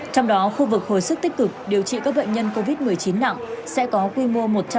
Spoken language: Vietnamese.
trong đó khu vực hồi sức tích cực điều trị các bệnh nhân covid một mươi chín nặng sẽ có quy mô một trăm linh